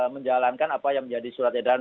menjalankan apa yang menjadi surat edaran